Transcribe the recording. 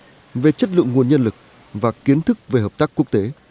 hạn chế về công nghệ về chất lượng nguồn nhân lực và kiến thức về hợp tác quốc tế